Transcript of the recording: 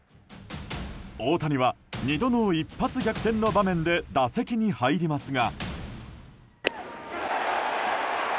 大谷は２度の一発逆転の場面で打席に入りますが。